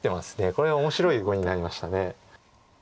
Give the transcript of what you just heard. これは面白い碁になりました。